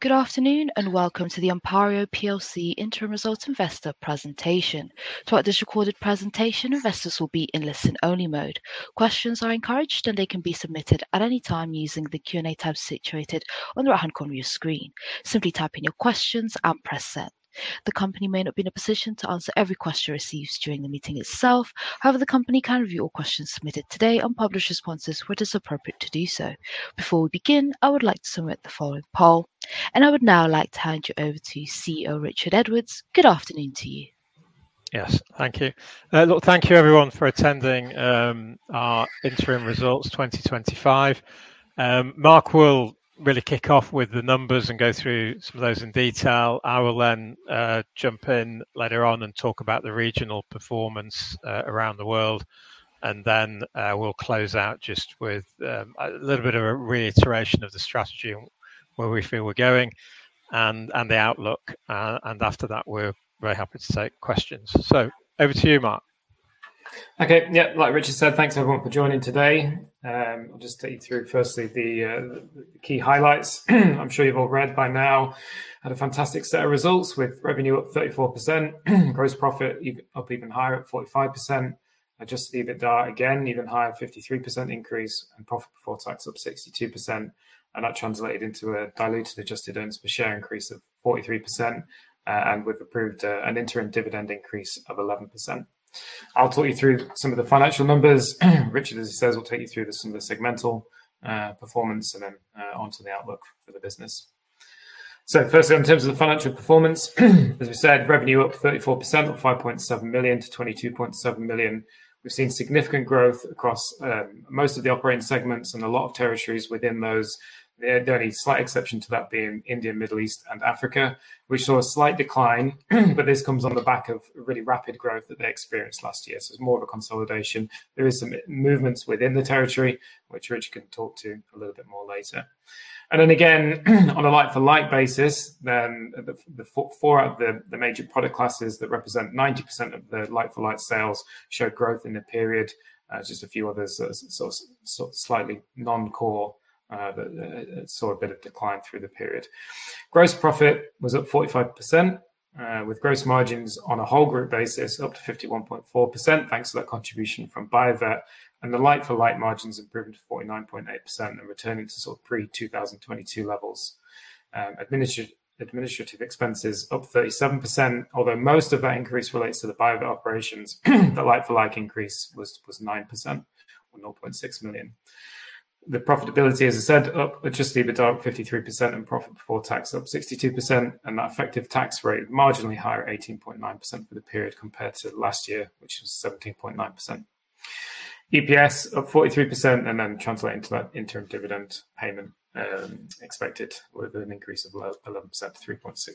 Good afternoon and welcome to the Anpario plc Interim Results Investor Presentation. Throughout this recorded presentation, investors will be in listen-only mode. Questions are encouraged, and they can be submitted at any time using the Q&A tab situated on the right-hand corner of your screen. Simply type in your questions and press send. The company may not be in a position to answer every question received during the meeting itself. However, the company can review all questions submitted today and publish responses where it is appropriate to do so. Before we begin, I would like to submit the following poll, and I would now like to hand you over to CEO Richard Edwards. Good afternoon to you. Yes. Thank you. Look, thank you everyone for attending our interim results 2025. Marc will really kick off with the numbers and go through some of those in detail. I will then jump in later on and talk about the regional performance around the world, and then we'll close out just with a little bit of a reiteration of the strategy and where we feel we're going and the outlook. After that, we're very happy to take questions. Over to you, Marc. Okay. Yeah. Like Richard said, thanks everyone for joining today. I'll just take you through firstly the key highlights I'm sure you've all read by now. Had a fantastic set of results with revenue up 34%, gross profit up even higher at 45%. Adjusted EBITDA again, even higher, 53% increase and profit before tax up 62%. That translated into a diluted adjusted earnings per share increase of 43%. We've approved an interim dividend increase of 11%. I'll talk you through some of the financial numbers. Richard, as he says, will take you through some of the segmental performance and then onto the outlook for the business. Firstly, in terms of the financial performance, as we said, revenue up 34%, from 5.7 million to 22.7 million. We've seen significant growth across most of the operating segments and a lot of territories within those. The only slight exception to that being India, Middle East, and Africa. We saw a slight decline, but this comes on the back of really rapid growth that they experienced last year. It's more of a consolidation. There is some movements within the territory, which Richard can talk to a little bit more later. On a like for like basis, the four major product classes that represent 90% of the like for like sales show growth in the period. Just a few others that are sort of slightly non-core that saw a bit of decline through the period. Gross profit was up 45%, with gross margins on a whole group basis up to 51.4%, thanks to that contribution from Bio-Vet. The like-for-like margins have improved to 49.8% and returning to sort of pre-2022 levels. Administrative expenses up 37%. Although most of that increase relates to the Bio-Vet operations, the like-for-like increase was 9% or 0.6 million. The profitability, as I said, up. Adjusted EBITDA up 53% and profit before tax up 62%, and that effective tax rate marginally higher, 18.9% for the period compared to last year, which was 17.9%. EPS up 43% and then translating to that interim dividend payment, expected with an increase of 11% to 3.6 pence.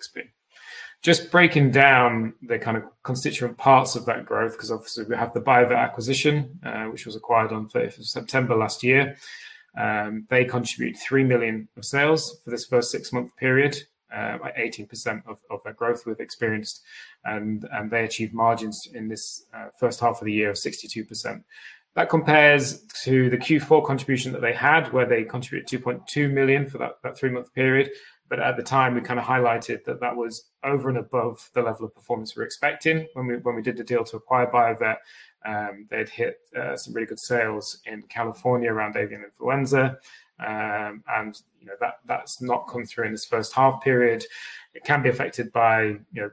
Just breaking down the kind of constituent parts of that growth because obviously we have the Bio-Vet acquisition, which was acquired on third of September last year. They contribute $3 million of sales for this first six-month period, by 18% of that growth we've experienced. They achieved margins in this first half of the year of 62%. That compares to the Q4 contribution that they had, where they contributed $2.2 million for that three-month period. At the time, we kind of highlighted that that was over and above the level of performance we were expecting when we did the deal to acquire Bio-Vet. They'd hit some really good sales in California around avian influenza. You know, that's not come through in this first half period. It can be affected by, you know,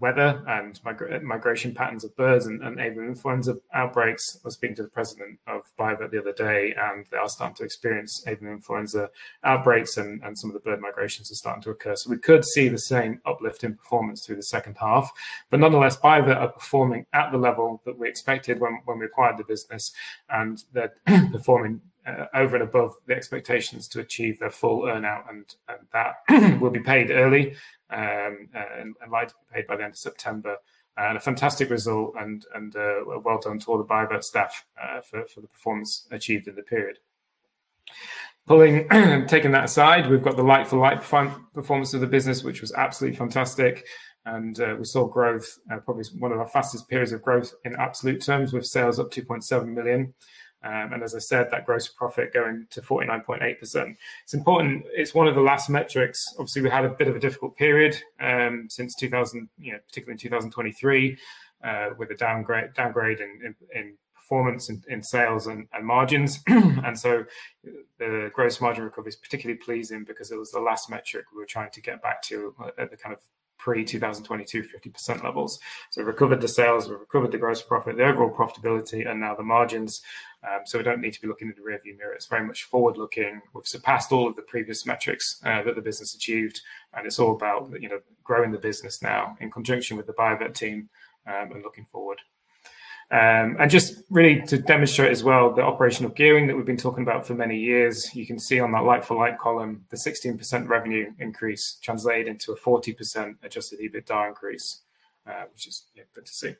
weather and migration patterns of birds and avian influenza outbreaks. I was speaking to the president of Bio-Vet the other day, and they are starting to experience avian influenza outbreaks and some of the bird migrations are starting to occur. We could see the same uplift in performance through the second half. Nonetheless, Bio-Vet are performing at the level that we expected when we acquired the business and they're performing over and above the expectations to achieve their full earn-out and that will be paid early and likely to be paid by the end of September. A fantastic result and well done to all the Bio-Vet staff for the performance achieved in the period. Taking that aside, we've got the like-for-like performance of the business, which was absolutely fantastic. We saw growth, probably one of our fastest periods of growth in absolute terms with sales up 2.7 million. And as I said, that gross profit going to 49.8%. It's important. It's one of the last metrics. Obviously, we had a bit of a difficult period since 2020, you know, particularly in 2023 with a downgrade in performance in sales and margins. The gross margin recovery is particularly pleasing because it was the last metric we were trying to get back to at the kind of pre-2022 50% levels. We recovered the sales, we recovered the gross profit, the overall profitability, and now the margins. We don't need to be looking in the rearview mirror. It's very much forward-looking. We've surpassed all of the previous metrics that the business achieved, and it's all about, you know, growing the business now in conjunction with the Bio-Vet team, and looking forward. And just really to demonstrate as well the operational gearing that we've been talking about for many years, you can see on that like for like column, the 16% revenue increase translated into a 40% Adjusted EBITDA increase, which is, you know, good to see.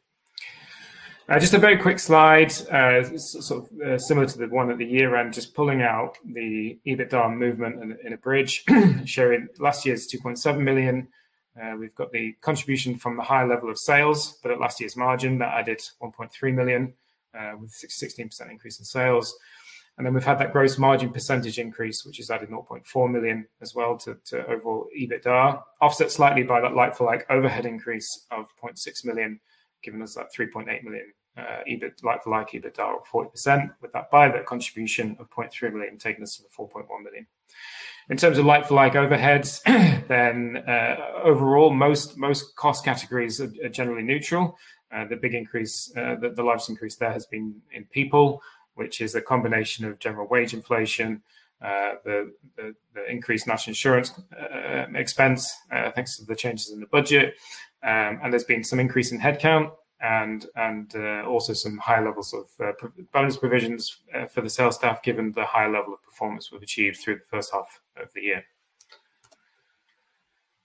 Just a very quick slide, so similar to the one at the year-end, just pulling out the EBITDA movement in a bridge showing last year's 2.7 million. We've got the contribution from the high level of sales, but at last year's margin, that added 1.3 million with 16% increase in sales. We've had that gross margin percentage increase, which has added 0.4 million as well to overall EBITDA. Offset slightly by that like-for-like overhead increase of 0.6 million, giving us that 3.8 million, like-for-like EBITDA of 40% with that Bio-Vet contribution of 0.3 million, taking us to the 4.1 million. In terms of like-for-like overheads, overall, most cost categories are generally neutral. The big increase, the largest increase there has been in people, which is a combination of general wage inflation, the increased national insurance expense, thanks to the changes in the budget. There's been some increase in headcount and also some higher levels of bonus provisions for the sales staff, given the high level of performance we've achieved through the first half of the year.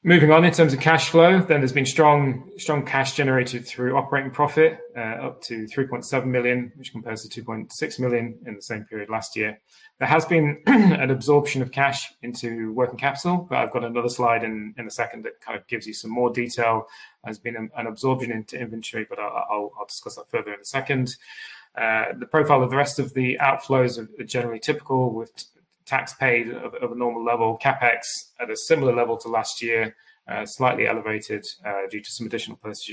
Moving on in terms of cash flow, there's been strong cash generated through operating profit up to 3.7 million, which compares to 2.6 million in the same period last year. There has been an absorption of cash into working capital, but I've got another slide in a second that kind of gives you some more detail. There's been an absorption into inventory, but I'll discuss that further in a second. The profile of the rest of the outflows are generally typical with tax paid of a normal level. CapEx at a similar level to last year, slightly elevated, due to some additional purchase,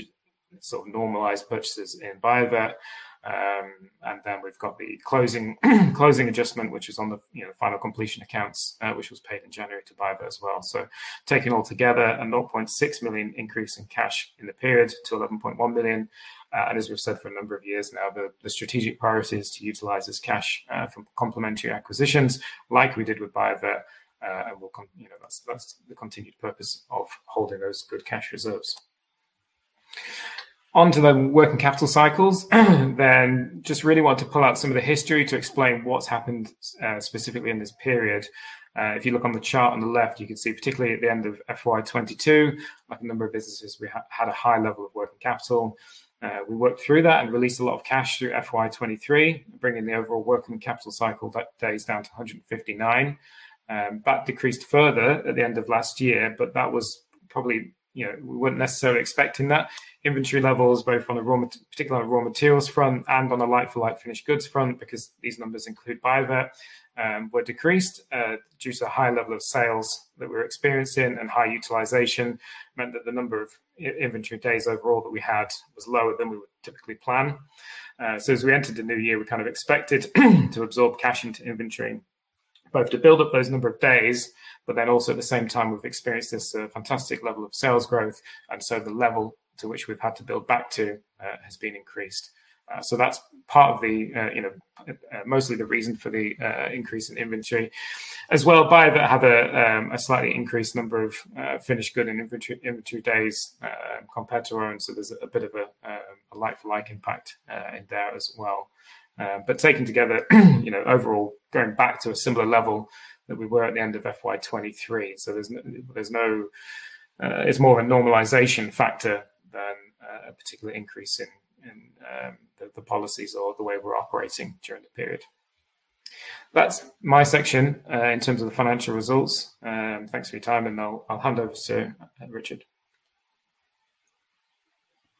sort of normalized purchases in Bio-Vet. And then we've got the closing adjustment, which is on the, you know, final completion accounts, which was paid in January to Bio-Vet as well. Taken all together, a 0.6 million increase in cash in the period to 11.1 million. And as we've said for a number of years now, the strategic priority is to utilize this cash for complementary acquisitions like we did with Bio-Vet. And we'll, you know, that's the continued purpose of holding those good cash reserves. On to the working capital cycles, then just really want to pull out some of the history to explain what's happened specifically in this period. If you look on the chart on the left, you can see particularly at the end of FY 2022, like a number of businesses, we had a high level of working capital. We worked through that and released a lot of cash through FY 2023, bringing the overall working capital cycle days down to 159. That decreased further at the end of last year, but that was probably, you know, we weren't necessarily expecting that. Inventory levels both on a raw materials front and on a like-for-like finished goods front, because these numbers include Bio-Vet, were decreased due to the high level of sales that we were experiencing. High utilization meant that the number of inventory days overall that we had was lower than we would typically plan. As we entered the new year, we kind of expected to absorb cash into inventory, both to build up those number of days, but then also at the same time, we've experienced this fantastic level of sales growth, and so the level to which we've had to build back to has been increased. That's part of the, you know, mostly the reason for the increase in inventory. As well, Bio-Vet had a slightly increased number of finished goods inventory days compared to our own, so there's a bit of a like-for-like impact in there as well. Taken together, you know, overall going back to a similar level that we were at the end of FY 2023. There's no, it's more of a normalization factor than a particular increase in the policies or the way we're operating during the period. That's my section in terms of the financial results. Thanks for your time, and I'll hand over to Richard.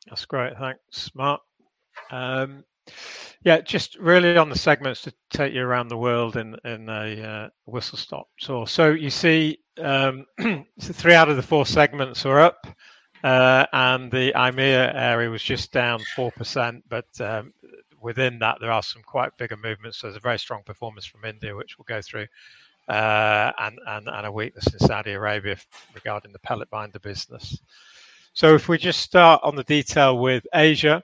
That's great. Thanks, Marc. Yeah, just really on the segments to take you around the world in a whistle-stop tour. You see, three out of the four segments are up, and the EMEA area was just down 4%. But within that, there are some quite bigger movements. There's a very strong performance from India, which we'll go through, and a weakness in Saudi Arabia regarding the pellet binder business. If we just start on the detail with Asia,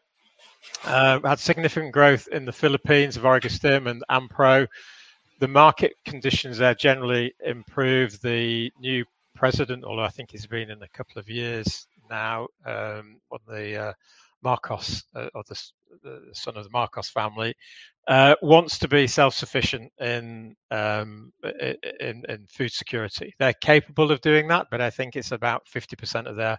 we had significant growth in the Philippines of Orego-Stim and Anpro. The market conditions there generally improved. The new president, although I think he's been in a couple of years now, on the Marcos, or the son of the Marcos family, wants to be self-sufficient in food security. They're capable of doing that, but I think it's about 50% of their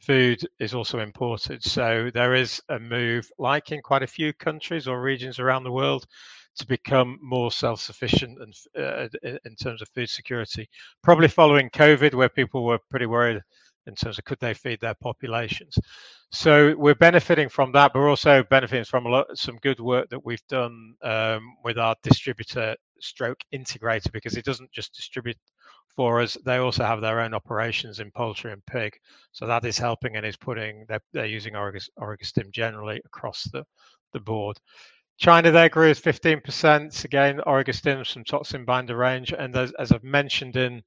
food is also imported. There is a move, like in quite a few countries or regions around the world, to become more self-sufficient in terms of food security. Probably following COVID, where people were pretty worried in terms of could they feed their populations. We're benefiting from that, but we're also benefiting from a lot, some good work that we've done with our distributor stroke integrator because it doesn't just distribute for us. They also have their own operations in poultry and pig. That is helping. They're using Orego-Stim generally across the board. China there grew 15%. Again, Orego-Stim, some mycotoxin binder range. As I've mentioned in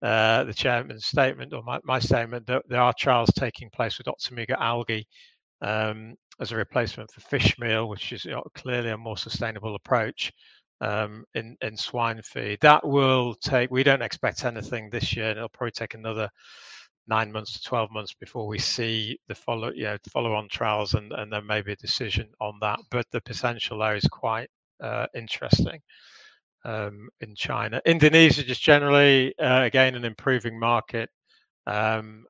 the chairman's statement or my statement, there are trials taking place with Optomega algae as a replacement for fish meal, which is clearly a more sustainable approach in swine feed. We don't expect anything this year, and it'll probably take another nine months to 12 months before we see the follow-on trials and then maybe a decision on that. But the potential there is quite interesting. In China, Indonesia, just generally, again, an improving market, and,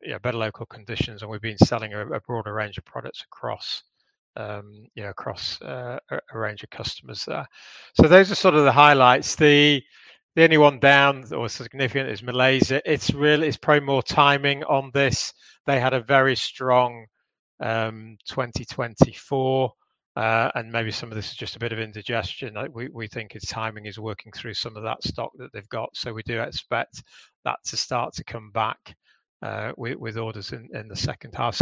you know, better local conditions, and we've been selling a broader range of products across, you know, across a range of customers there. Those are sort of the highlights. The only one down or significant is Malaysia. It's probably more timing on this. They had a very strong 2024, and maybe some of this is just a bit of indigestion. We think it's timing is working through some of that stock that they've got. We do expect that to start to come back with orders in the second half.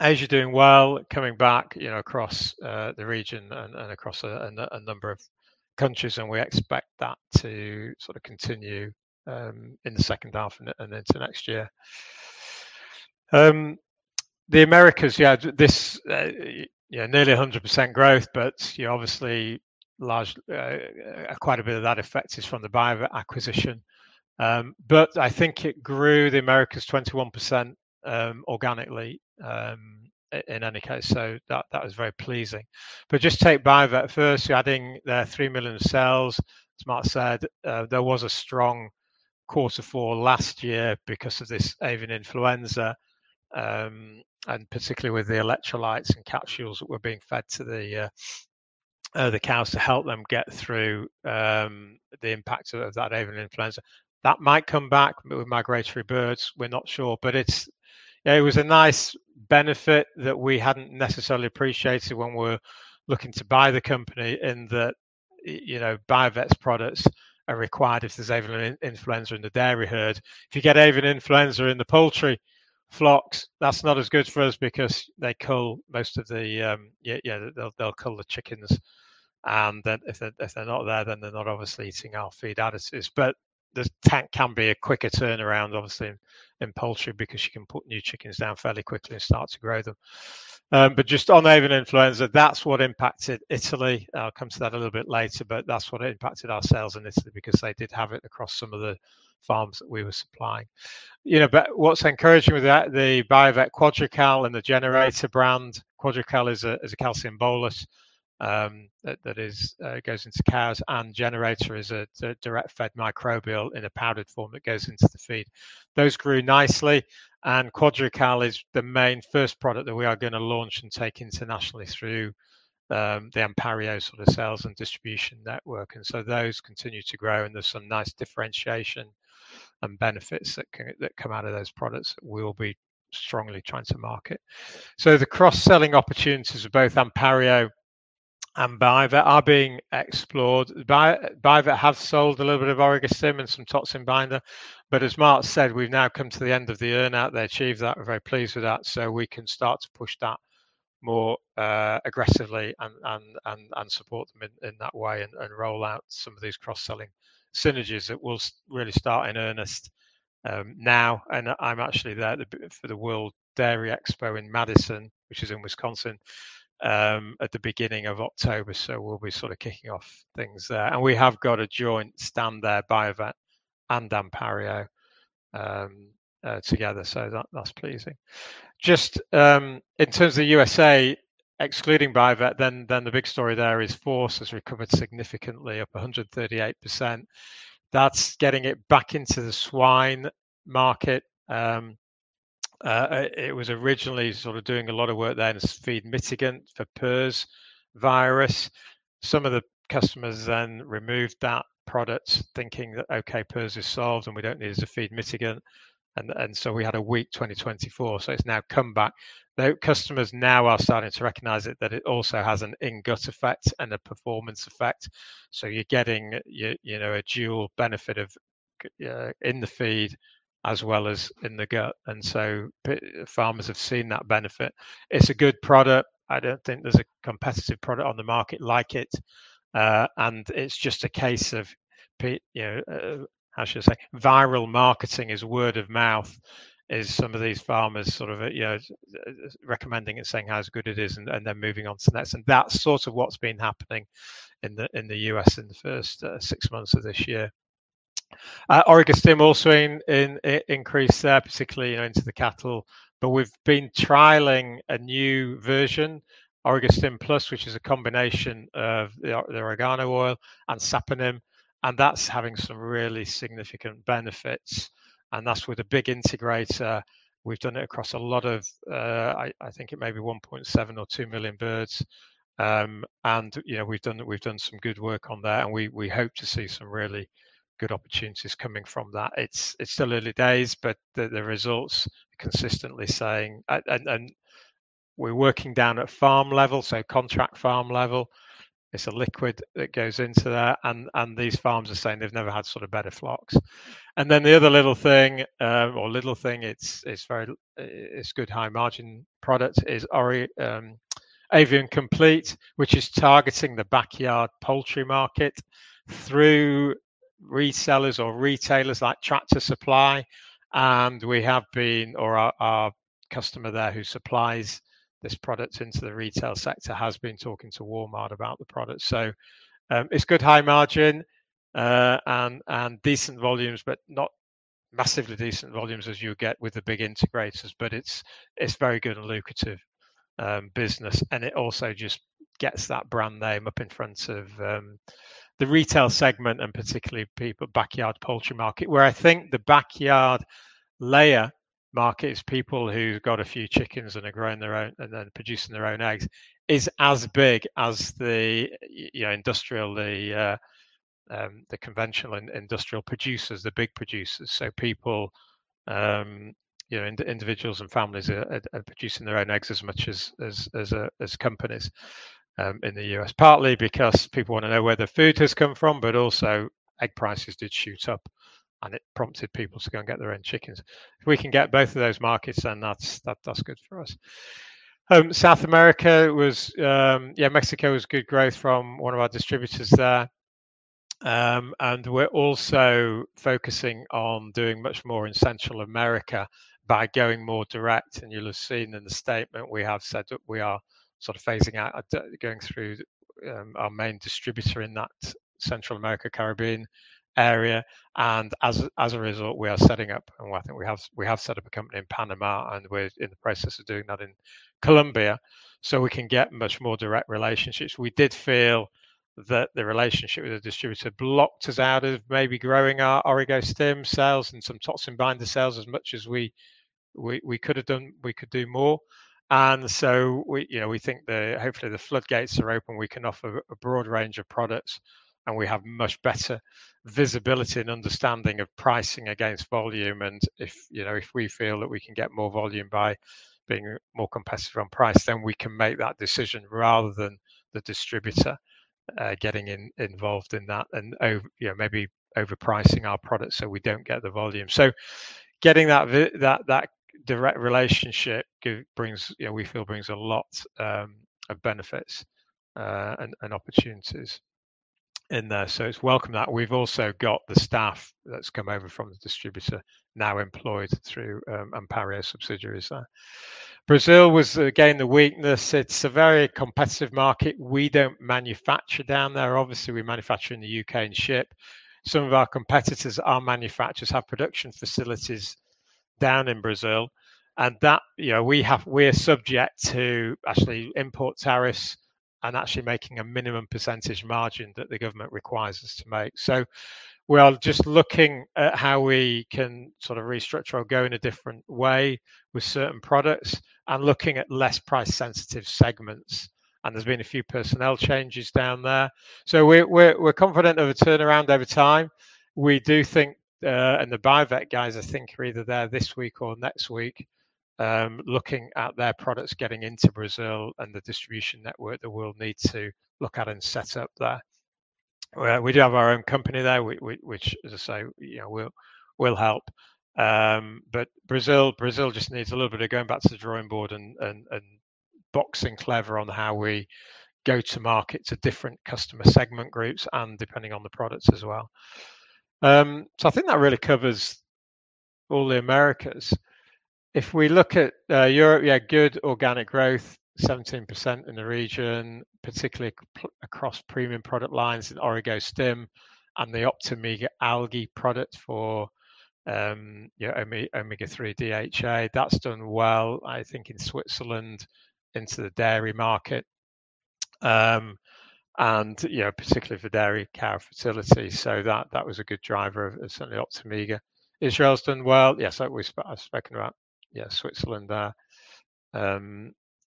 Asia doing well, coming back, you know, across the region and across a number of countries. We expect that to sort of continue in the second half and into next year. The Americas, nearly 100% growth, but you know, obviously large, quite a bit of that effect is from the Bio-Vet acquisition. I think it grew the Americas 21% organically. In any case, that was very pleasing. Just take Bio-Vet first, you're adding their $3 million sales. As Marc said, there was a strong quarter four last year because of this avian influenza, and particularly with the electrolytes and capsules that were being fed to the cows to help them get through the impact of that avian influenza. That might come back with migratory birds, we're not sure. It's, you know, it was a nice benefit that we hadn't necessarily appreciated when we're looking to buy the company in that, you know, Bio-Vet's products are required if there's avian influenza in the dairy herd. If you get avian influenza in the poultry flocks, that's not as good for us because they cull most of the, they'll cull the chickens. Then if they're not there, they're not obviously eating our feed additives. Can be a quicker turnaround, obviously, in poultry because you can put new chickens down fairly quickly and start to grow them. Just on avian influenza, that's what impacted Italy. I'll come to that a little bit later, but that's what impacted our sales in Italy because they did have it across some of the farms that we were supplying. You know, but what's encouraging with that, the Bio-Vet QuadriCal and the Genex brand. QuadriCal is a calcium bolus that goes into cows, and Genex is the direct-fed microbial in a powdered form that goes into the feed. Those grew nicely, and QuadriCal is the main first product that we are gonna launch and take internationally through the Anpario sort of sales and distribution network. Those continue to grow, and there's some nice differentiation and benefits that come out of those products that we'll be strongly trying to market. The cross-selling opportunities with both Anpario and Bio-Vet are being explored. Bio-Vet have sold a little bit of Orego-Stim and some Anpro, but as Marc said, we've now come to the end of the earn-out. They achieved that. We're very pleased with that, so we can start to push that more aggressively and support them in that way and roll out some of these cross-selling synergies that will really start in earnest now. I'm actually there for the World Dairy Expo in Madison, which is in Wisconsin, at the beginning of October, so we'll be sort of kicking off things there. We have got a joint stand there, Bio-Vet and Anpario, together, so that's pleasing. Just in terms of U.S., excluding Bio-Vet, then the big story there is pHorce has recovered significantly, up 138%. That's getting it back into the swine market. It was originally sort of doing a lot of work there as a feed mitigant for PRRS virus. Some of the customers then removed that product thinking that, okay, PRRS is solved, and we don't need a feed mitigant. We had a weak 2024, so it's now come back. The customers now are starting to recognize it, that it also has an in gut effect and a performance effect. You're getting you know, a dual benefit of, in the feed as well as in the gut. Farmers have seen that benefit. It's a good product. I don't think there's a competitive product on the market like it. It's just a case of you know, how should I say? Viral marketing is word of mouth is some of these farmers sort of, you know, recommending it, saying how good it is and they're moving on to the next. That's sort of what's been happening in the U.S. in the first six months of this year. Orego-Stim also increased there, particularly, you know, into the cattle. But we've been trialing a new version, Orego-Stim Plus, which is a combination of the oregano oil and saponin, and that's having some really significant benefits. That's with a big integrator. We've done it across a lot of, I think it may be 1.7 or 2 million birds. You know, we've done some good work on that, and we hope to see some really good opportunities coming from that. It's still early days, but the results consistently saying, and we're working down at farm level, so contract farm level. It's a liquid that goes into that, and these farms are saying they've never had sort of better flocks. The other little thing, it's very good high margin product is Orego-Stim Avian Complete, which is targeting the backyard poultry market through resellers or retailers like Tractor Supply. Our customer there who supplies this product into the retail sector has been talking to Walmart about the product. It's good high margin, and decent volumes, but not massively decent volumes as you get with the big integrators, but it's very good and lucrative business. It also just gets that brand name up in front of the retail segment and particularly people, backyard poultry market, where I think the backyard layer market is people who've got a few chickens and are growing their own, and then producing their own eggs, is as big as the, you know, industrial, the conventional and industrial producers, the big producers. So people, you know, individuals and families are producing their own eggs as much as as companies in the US, partly because people wanna know where their food has come from, but also egg prices did shoot up, and it prompted people to go and get their own chickens. If we can get both of those markets, then that's good for us. South America was, Mexico was good growth from one of our distributors there. We're also focusing on doing much more in Central America by going more direct. You'll have seen in the statement we have said that we are sort of phasing out our main distributor in that Central America, Caribbean area. As a result, we are setting up, I think we have set up a company in Panama, and we're in the process of doing that in Colombia, so we can get much more direct relationships. We did feel that the relationship with the distributor blocked us out of maybe growing our Orego-Stim sales and some toxin binder sales as much as we could have done, we could do more. We think hopefully the floodgates are open, we can offer a broad range of products, and we have much better visibility and understanding of pricing against volume. If we feel that we can get more volume by being more competitive on price, then we can make that decision rather than the distributor getting involved in that and maybe overpricing our product so we don't get the volume. Getting that direct relationship brings, we feel, a lot of benefits and opportunities in there. It's welcome that. We've also got the staff that's come over from the distributor now employed through Anpario subsidiaries there. Brazil was again the weakness. It's a very competitive market. We don't manufacture down there. Obviously, we manufacture in the U.K. and ship. Some of our competitors are manufacturers, have production facilities down in Brazil, and that, you know, we are subject to actually import tariffs and actually making a minimum percentage margin that the government requires us to make. We are just looking at how we can sort of restructure or go in a different way with certain products and looking at less price sensitive segments. There's been a few personnel changes down there. We're confident of a turnaround over time. We do think, and the Bio-Vet guys I think are either there this week or next week, looking at their products getting into Brazil and the distribution network that we'll need to look at and set up there, where we do have our own company there, which as I say, you know, will help. Brazil just needs a little bit of going back to the drawing board and boxing clever on how we go to market to different customer segment groups and depending on the products as well. I think that really covers all the Americas. If we look at Europe, yeah, good organic growth, 17% in the region, particularly across premium product lines in Orego-Stim and the Optomega algae product for, you know, omega-3 DHA. That's done well, I think, in Switzerland into the dairy market. Particularly for dairy cow fertility. That was a good driver of certainly Optomega. Israel's done well. I've spoken about Switzerland there.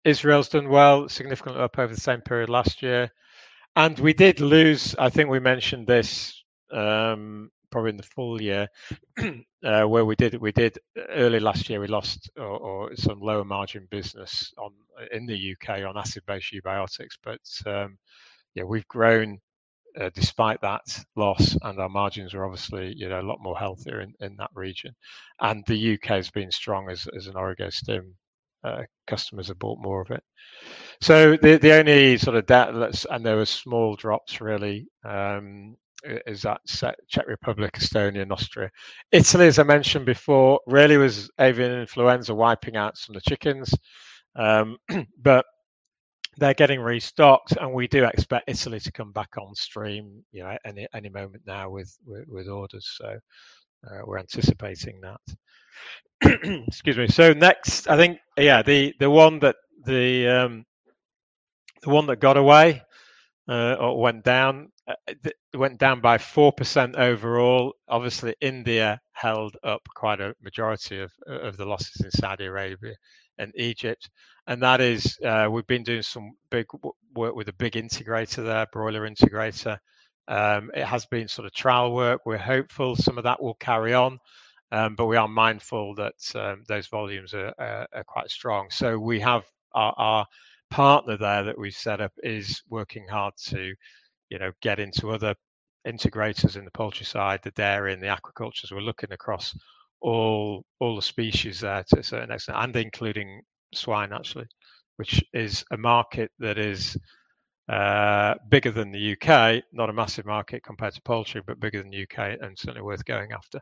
Israel's done well, significantly up over the same period last year. We did lose, I think we mentioned this, probably in the full year, where we did early last year, we lost some lower margin business in the UK on acid-based probiotics. We've grown despite that loss, and our margins are obviously, you know, a lot more healthier in that region. The UK has been strong as Orego-Stim, customers have bought more of it. The only sort of down that is, and there were small drops really, is that Czech Republic, Estonia, and Austria. Italy, as I mentioned before, really was avian influenza wiping out some of the chickens. But they're getting restocked, and we do expect Italy to come back on stream, you know, any moment now with orders. We're anticipating that. Excuse me. Next I think, the one that got away, or went down by 4% overall. Obviously, India held up quite a majority of the losses in Saudi Arabia and Egypt. That is, we've been doing some big work with a big integrator there, broiler integrator. It has been sort of trial work. We're hopeful some of that will carry on, but we are mindful that those volumes are quite strong. We have our partner there that we've set up working hard to you know get into other integrators in the poultry side, the dairy, and the aquaculture. We're looking across all the species there to a certain extent, and including swine actually, which is a market that is bigger than the U.K., not a massive market compared to poultry, but bigger than the U.K. and certainly worth going after.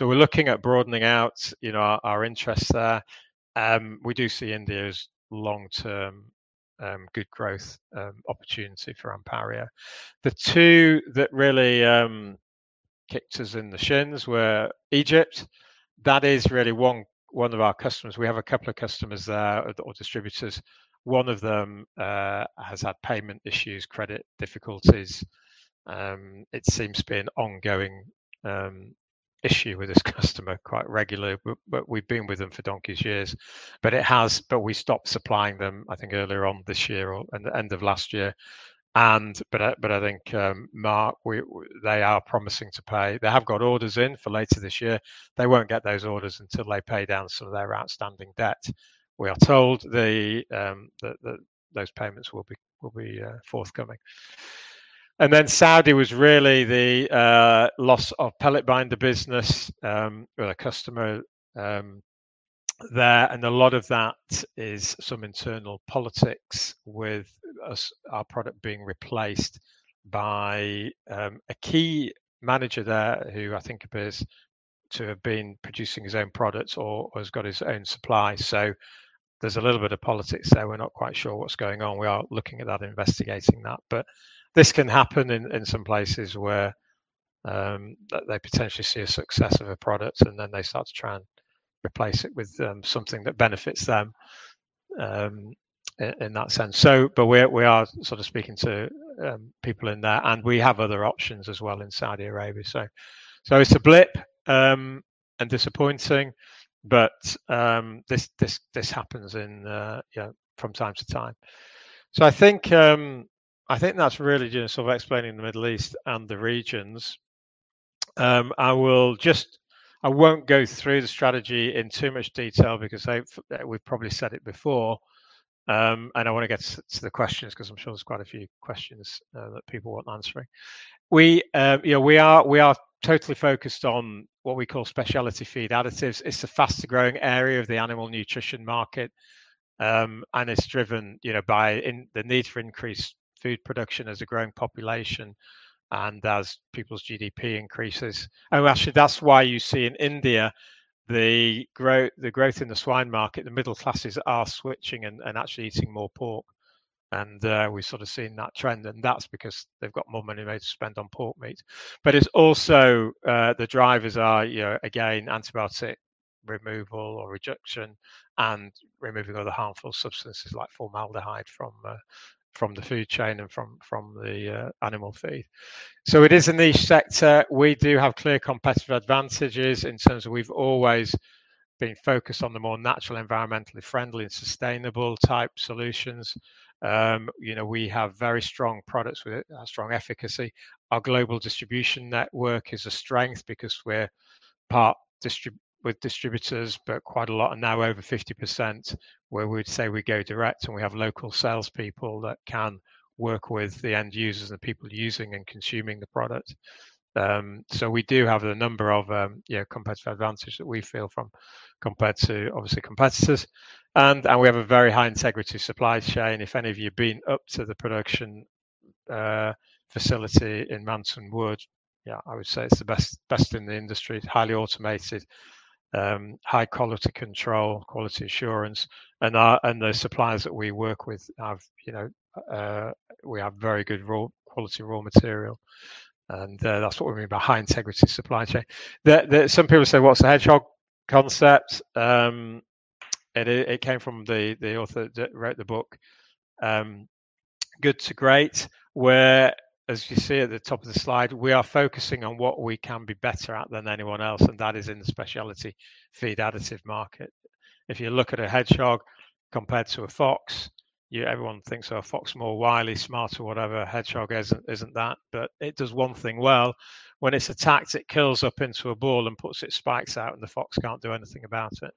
We're looking at broadening out our interests there. We do see India as long-term good growth opportunity for Anpario. The two that really kicked us in the shins were Egypt. That is really one of our customers. We have a couple of customers there, or distributors. One of them has had payment issues, credit difficulties. It seems to be an ongoing issue with this customer quite regularly, but we've been with them for donkey's years. We stopped supplying them, I think, earlier on this year or end of last year. I think, Marc, they are promising to pay. They have got orders in for later this year. They won't get those orders until they pay down some of their outstanding debt. We are told that those payments will be forthcoming. Saudi was really the loss of pellet binder business or a customer there. A lot of that is some internal politics with us, our product being replaced by a key manager there who I think appears to have been producing his own products or has got his own supply. There's a little bit of politics there. We're not quite sure what's going on. We are looking at that, investigating that. This can happen in some places where they potentially see a success of a product, and then they start to try and replace it with something that benefits them in that sense. We are sort of speaking to people in there, and we have other options as well in Saudi Arabia. It's a blip and disappointing, but this happens, you know, from time to time. I think that's really just sort of explaining the Middle East and the regions. I won't go through the strategy in too much detail because we've probably said it before. I want to get to the questions 'cause I'm sure there's quite a few questions that people want answering. You know, we are totally focused on what we call specialty feed additives. It's the fastest-growing area of the animal nutrition market, and it's driven, you know, by the need for increased food production as a growing population and as people's GDP increases. Oh, actually, that's why you see in India the growth in the swine market, the middle classes are switching and actually eating more pork. We've sort of seen that trend, and that's because they've got more money they spend on pork meat. It's also the drivers are, you know, again, antibiotic removal or reduction and removing other harmful substances like formaldehyde from the food chain and from the animal feed. It is a niche sector. We do have clear competitive advantages in terms of we've always been focused on the more natural, environmentally friendly, and sustainable type solutions. You know, we have very strong products with strong efficacy. Our global distribution network is a strength because we're with distributors, but quite a lot, and now over 50%, where we'd say we go direct, and we have local salespeople that can work with the end users, the people using and consuming the product. We do have a number of, you know, competitive advantages that we feel from, compared to, obviously, competitors. We have a very high integrity supply chain. If any of you have been up to the production facility in Manton Wood, I would say it's the best in the industry. It's highly automated, high quality control, quality assurance. The suppliers that we work with have, you know, we have very good quality raw material. That's what we mean by high integrity supply chain. Some people say, what's the hedgehog concept? It came from the author that wrote the book Good to Great, where, as you see at the top of the slide, we are focusing on what we can be better at than anyone else, and that is in the specialty feed additive market. If you look at a hedgehog compared to a fox, yeah, everyone thinks of a fox more wily, smarter, whatever. A hedgehog isn't that, but it does one thing well. When it's attacked, it curls up into a ball and puts its spikes out, and the fox can't do anything about it.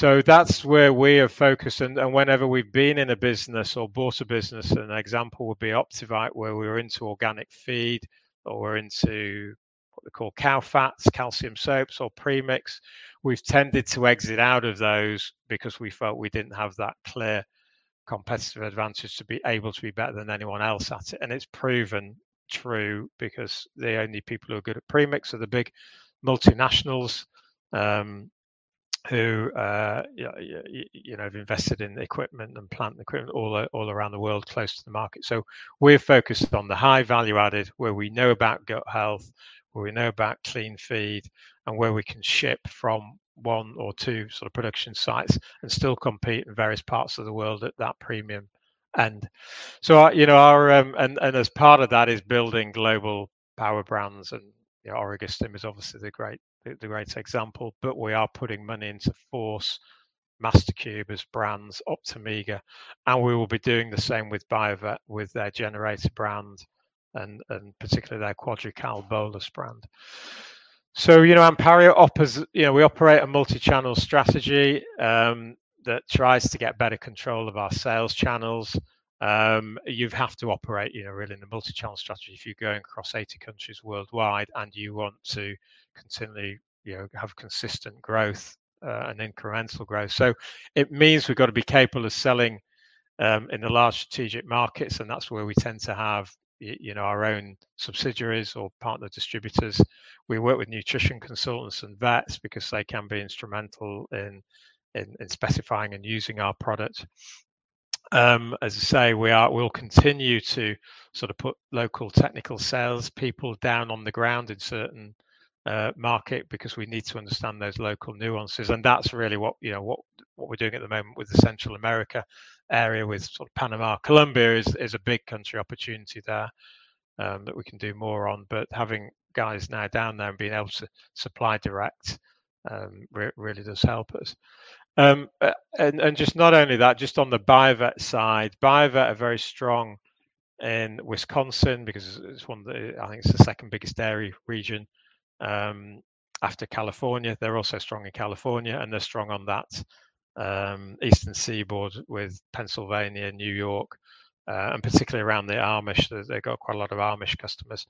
That's where we are focused. Whenever we've been in a business or bought a business, an example would be Optivite, where we were into organic feed or into what they call cow fats, calcium soaps, or premix. We've tended to exit out of those because we felt we didn't have that clear competitive advantage to be able to be better than anyone else at it. It's proven true because the only people who are good at premix are the big multinationals, who, you know, have invested in equipment and plant and equipment all around the world close to the market. We're focused on the high value added, where we know about gut health, where we know about clean feed, and where we can ship from one or two sort of production sites and still compete in various parts of the world at that premium. You know, and as part of that is building global power brands. You know, Orego-Stim is obviously the great example, but we are putting money into pHorce, MasterCUBE as brands, Optomega, and we will be doing the same with Bio-Vet, with their Genex brand and particularly their QuadriCal bolus brand. You know, Anpario operates a multi-channel strategy that tries to get better control of our sales channels. You have to operate really in a multi-channel strategy if you're going across 80 countries worldwide and you want to continually have consistent growth and incremental growth. It means we've got to be capable of selling in the large strategic markets, and that's where we tend to have you know, our own subsidiaries or partner distributors. We work with nutrition consultants and vets because they can be instrumental in specifying and using our product. As I say, we'll continue to sort of put local technical sales people down on the ground in certain market because we need to understand those local nuances, and that's really what you know we're doing at the moment with the Central America area, with sort of Panama. Colombia is a big country opportunity there that we can do more on. Having guys now down there and being able to supply direct really does help us. And not only that, just on the Bio-Vet side, Bio-Vet are very strong in Wisconsin because it's one of the, I think it's the second biggest dairy region after California. They're also strong in California, and they're strong on that eastern seaboard with Pennsylvania, New York, and particularly around the Amish. They've got quite a lot of Amish customers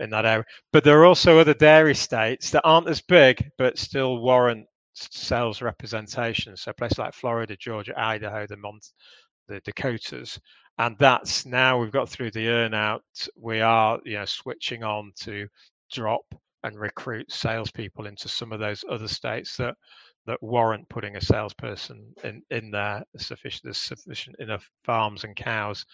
in that area. There are also other dairy states that aren't as big but still warrant sales representation, so places like Florida, Georgia, Idaho, the Dakotas. Now we've got through the earn-out. We are switching on to deploy and recruit salespeople into some of those other states that warrant putting a salesperson in there, sufficient enough farms and cows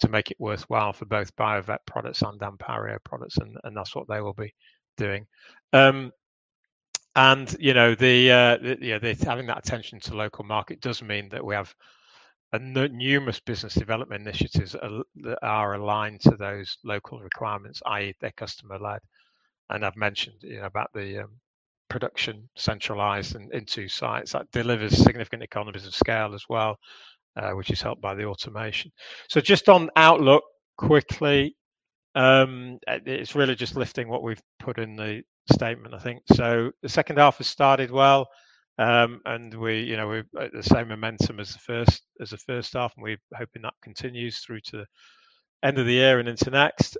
to make it worthwhile for both Bio-Vet products and Anpario products, and that's what they will be doing. You know, the having that attention to local market does mean that we have numerous business development initiatives that are aligned to those local requirements, i.e., they're customer-led. I've mentioned, you know, about the production centralized in two sites. That delivers significant economies of scale as well, which is helped by the automation. Just on outlook quickly, it's really just lifting what we've put in the statement, I think. The second half has started well, and we, you know, we're at the same momentum as the first half, and we're hoping that continues through to the end of the year and into next.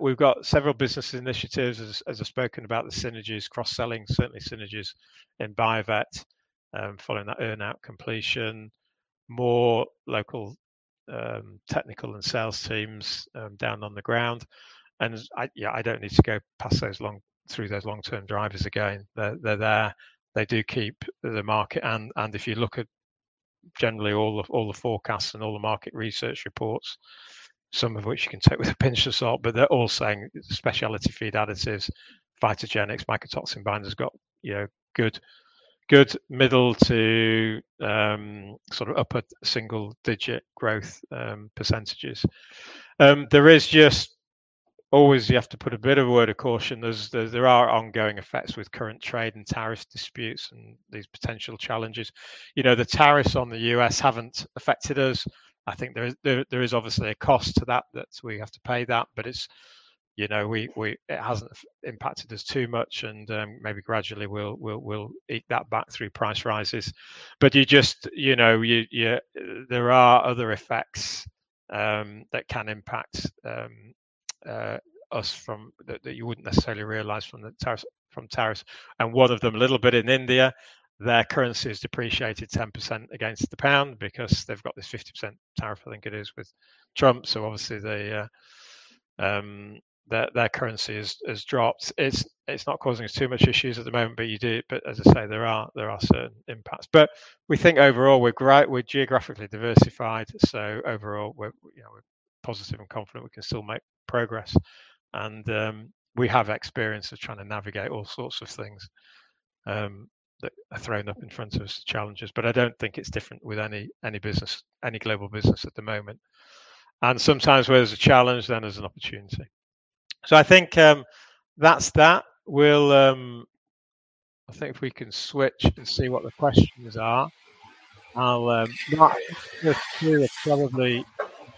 We've got several business initiatives. As I've spoken about, the synergies, cross-selling, certainly synergies in Bio-Vet, following that earn-out completion. More local, technical and sales teams down on the ground. Yeah, I don't need to go through those long-term drivers again. They're there. They do keep the market. If you look at generally all the forecasts and all the market research reports, some of which you can take with a pinch of salt, but they're all saying specialty feed additives, phytogenics, mycotoxin binders got you know good middle- to upper single-digit growth %. There is just always you have to put a bit of a word of caution. There are ongoing effects with current trade and tariff disputes and these potential challenges. You know, the tariffs on the U.S. haven't affected us. I think there is obviously a cost to that we have to pay that. It's, you know, it hasn't impacted us too much, and maybe gradually we'll eat that back through price rises. You just, you know, there are other effects that can impact us from that you wouldn't necessarily realize from the tariffs. One of them a little bit in India, their currency has depreciated 10% against the pound because they've got this 50% tariff, I think it is, with Trump. Obviously their currency has dropped. It's not causing us too much issues at the moment. As I say, there are certain impacts. We think overall we're great. We're geographically diversified, so overall we're positive and confident we can still make progress, and we have experience of trying to navigate all sorts of things that are thrown up in front of us, challenges. I don't think it's different with any business, any global business at the moment. Sometimes where there's a challenge, then there's an opportunity. I think that's that. I think if we can switch and see what the questions are. I'll just run through it probably.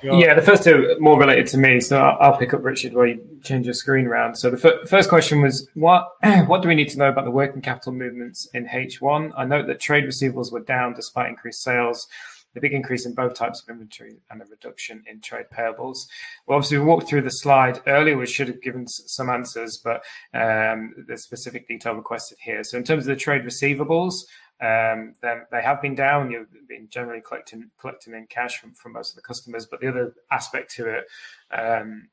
Yeah. The first two are more related to me, so I'll pick up Richard while you change your screen around. The first question was what do we need to know about the working capital movements in H1? I note that trade receivables were down despite increased sales, the big increase in both types of inventory, and a reduction in trade payables. Well, obviously, we walked through the slide earlier, which should have given some answers, but they're specifically requested here. In terms of the trade receivables, they're they have been down. You've been generally collecting in cash from most of the customers. But the other aspect to it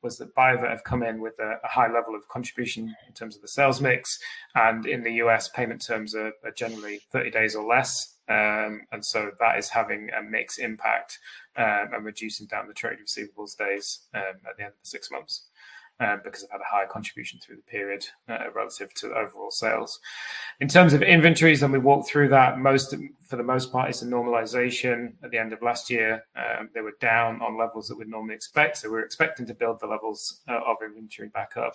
was that Bio-Vet have come in with a high level of contribution in terms of the sales mix, and in the U.S., payment terms are generally 30 days or less. That is having a mixed impact, and reducing down the trade receivables days, at the end of the six months, because they've had a higher contribution through the period, relative to the overall sales. In terms of inventories, we walked through that, for the most part, it's a normalization. At the end of last year, they were down on levels that we'd normally expect, so we're expecting to build the levels of inventory back up.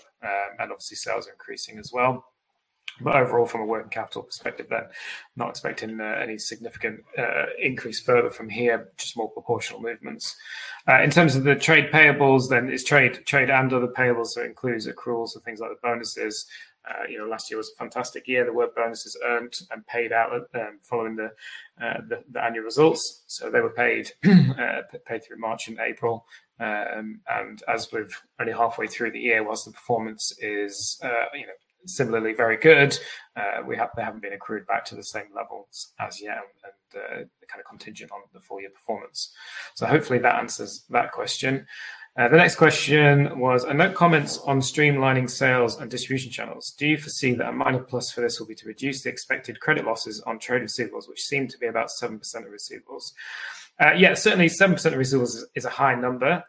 Obviously sales are increasing as well. Overall, from a working capital perspective there, not expecting any significant increase further from here, just more proportional movements. In terms of the trade payables then, it's trade and other payables, so includes accruals and things like the bonuses. You know, last year was a fantastic year. There were bonuses earned and paid out following the annual results. They were paid through March and April. As we're only halfway through the year, while the performance is similarly very good, they haven't been accrued back to the same levels as yet and kind of contingent on the full year performance. Hopefully that answers that question. The next question was, I note comments on streamlining sales and distribution channels. Do you foresee that a minor plus for this will be to reduce the expected credit losses on trade receivables, which seem to be about 7% of receivables? Yeah, certainly 7% of receivables is a high number.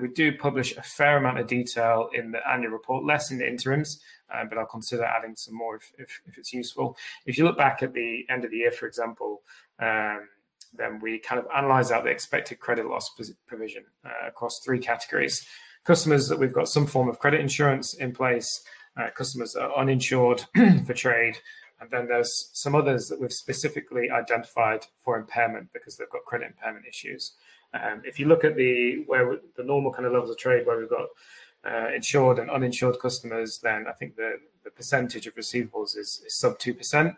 We do publish a fair amount of detail in the annual report, less in the interims, but I'll consider adding some more if it's useful. If you look back at the end of the year, for example, we kind of analyze out the expected credit loss provision across three categories. Customers that we've got some form of credit insurance in place, customers that are uninsured for trade, and then there's some others that we've specifically identified for impairment because they've got credit impairment issues. If you look at where the normal kind of levels of trade where we've got insured and uninsured customers, I think the percentage of receivables is sub 2%.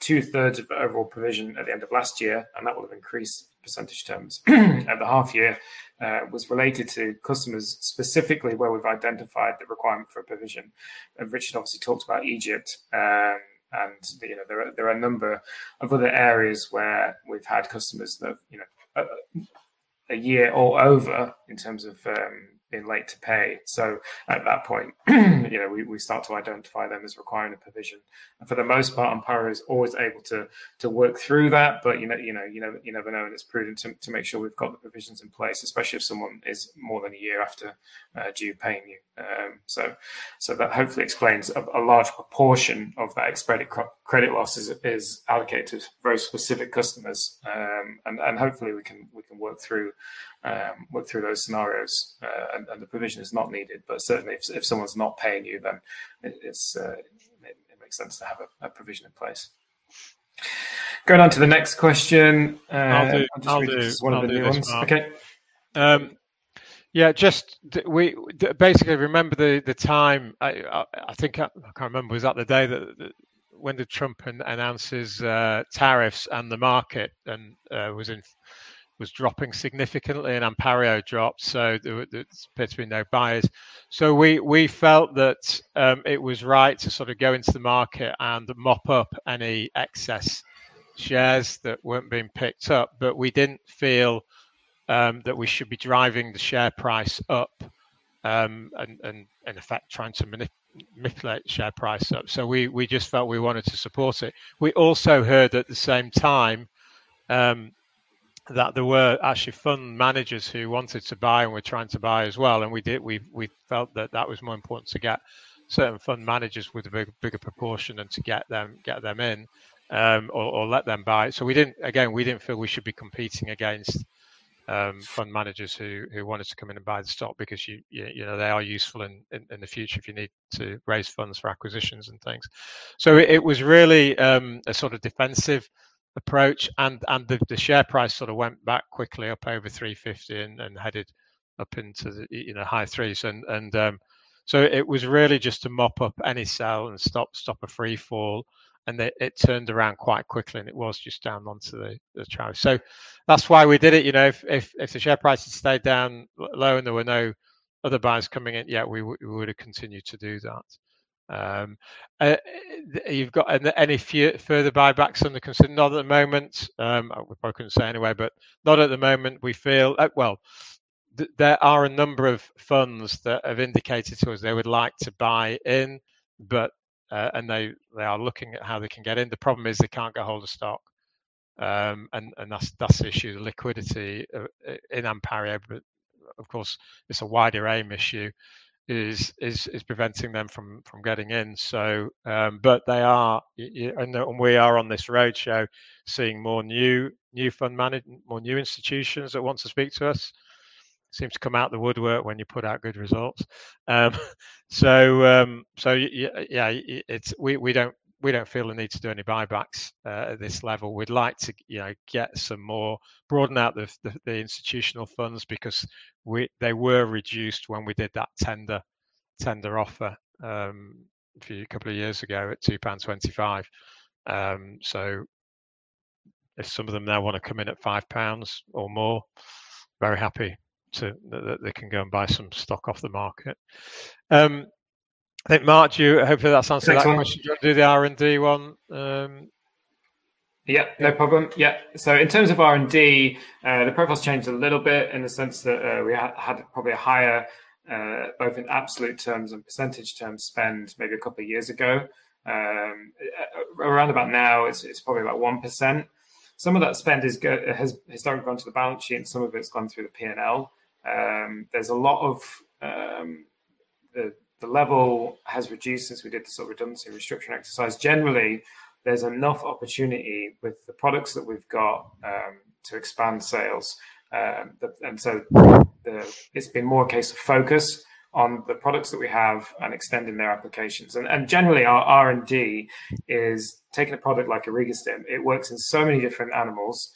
Two-thirds of overall provision at the end of last year, and that will have increased in percentage terms at the half-year, was related to customers specifically where we've identified the requirement for a provision. Richard obviously talked about Egypt. You know, there are a number of other areas where we've had customers that, you know, a year or over in terms of being late to pay. At that point, you know, we start to identify them as requiring a provision. For the most part, Anpario is always able to work through that. But you know, you never know, and it's prudent to make sure we've got the provisions in place, especially if someone is more than a year overdue in paying you. That hopefully explains a large proportion of that expected credit losses is allocated to very specific customers. Hopefully we can work through those scenarios, and the provision is not needed. Certainly if someone's not paying you, then it makes sense to have a provision in place. Going on to the next question. I'll do this one. Okay. Yeah, basically remember the time. I think I can't remember, was that the day that when did Trump announce his tariffs and the market was dropping significantly and Anpario dropped, so there appeared to be no buyers. We felt that it was right to sort of go into the market and mop up any excess shares that weren't being picked up. But we didn't feel that we should be driving the share price up, and in effect trying to manipulate share price up. We just felt we wanted to support it. We also heard at the same time that there were actually fund managers who wanted to buy and were trying to buy as well, and we felt that that was more important to get certain fund managers with a bigger proportion and to get them in or let them buy. We didn't feel we should be competing against fund managers who wanted to come in and buy the stock because you know they are useful in the future if you need to raise funds for acquisitions and things. It was really a sort of defensive approach and the share price sort of went back quickly up over 350 and headed up into the high threes. It was really just to mop up any sale and stop a free fall, and it turned around quite quickly, and it was just down onto the trough. That's why we did it. You know, if the share price had stayed down low and there were no other buyers coming in, yeah, we would have continued to do that. You've got any further buybacks under consideration? Not at the moment. I probably couldn't say anyway, but not at the moment. We feel, well, there are a number of funds that have indicated to us they would like to buy in, but and they are looking at how they can get in. The problem is they can't get hold of stock, and that's the issue. The liquidity in Anpario, but of course it's a wider AIM issue, is preventing them from getting in. But they are and we are on this roadshow seeing more new institutions that want to speak to us. Seems to come out of the woodwork when you put out good results. We don't feel the need to do any buybacks at this level. We'd like to, you know, get some more, broaden out the institutional funds because they were reduced when we did that tender offer a couple of years ago at 2.25 pound. If some of them now wanna come in at 5 pounds or more, very happy to, that they can go and buy some stock off the market. I think, Marc, you, hopefully that answers that question. Do you wanna do the R&D one? Yeah, no problem. Yeah, so in terms of R&D, the profile's changed a little bit in the sense that we had probably a higher both in absolute terms and percentage terms spend maybe a couple of years ago. Around about now it's probably about 1%. Some of that spend has gone to the balance sheet and some of it's gone through the P&L. The level has reduced since we did the sort of redundancy restructure exercise. Generally, there's enough opportunity with the products that we've got to expand sales. It's been more a case of focus on the products that we have and extending their applications. Generally our R&D is taking a product like Orego-Stim. It works in so many different animals,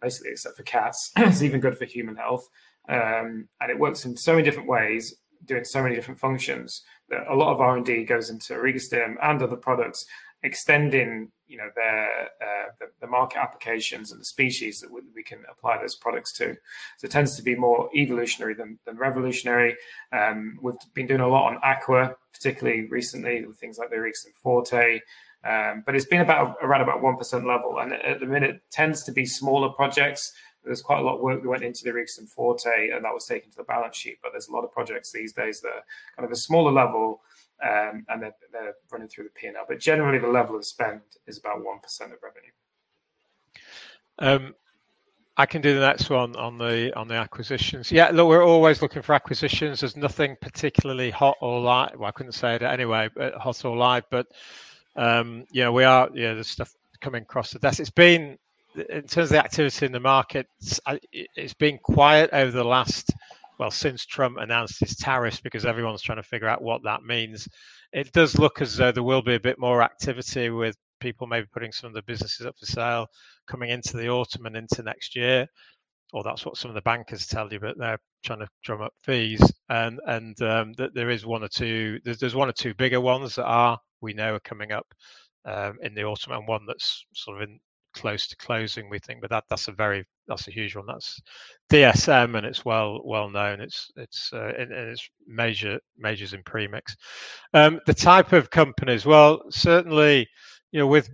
basically except for cats. It's even good for human health. It works in so many different ways, doing so many different functions that a lot of R&D goes into Orego-Stim and other products extending, you know, their market applications and the species that we can apply those products to. It tends to be more evolutionary than revolutionary. We've been doing a lot on aqua, particularly recently with things like the Orego-Stim Forte. It's been about 1% level, and at the minute tends to be smaller projects. There's quite a lot of work that went into the Orego-Stim Forte, and that was taken to the balance sheet. There's a lot of projects these days that are kind of a smaller level, and they're running through the P&L. Generally the level of spend is about 1% of revenue. I can do the next one on the acquisitions. Yeah, look, we're always looking for acquisitions. There's nothing particularly hot or live. Well, I couldn't say it anyway, but hot or live. Yeah, we are, you know, there's stuff coming across the desk. It's been, in terms of the activity in the markets, quiet over the last, well, since Trump announced his tariffs because everyone's trying to figure out what that means. It does look as though there will be a bit more activity with people maybe putting some of the businesses up for sale coming into the autumn and into next year, or that's what some of the bankers tell you, but they're trying to drum up fees. There is one or two bigger ones that we know are coming up in the autumn, and one that's sort of close to closing, we think. That's a huge one. That's DSM, and it's well-known. It's and it's majors in premix. The type of companies, well, certainly, you know, with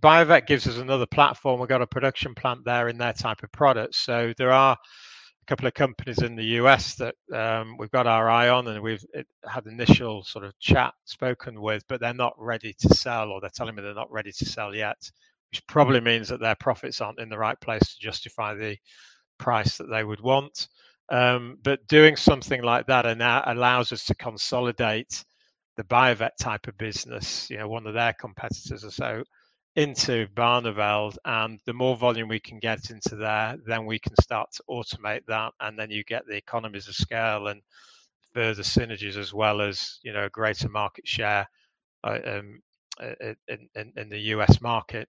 Bio-Vet gives us another platform. We've got a production plant there in their type of products. There are a couple of companies in the U.S. that we've got our eye on, and we've had initial sort of chat spoken with. They're not ready to sell, or they're telling me they're not ready to sell yet, which probably means that their profits aren't in the right place to justify the price that they would want. Doing something like that and that allows us to consolidate the Bio-Vet type of business, you know, one of their competitors or so, into Barneveld. The more volume we can get into there, then we can start to automate that, and then you get the economies of scale and further synergies as well as, you know, greater market share in the U.S. market,